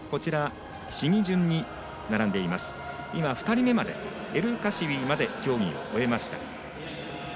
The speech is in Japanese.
２人目のエルカシウィーまで競技を終えました。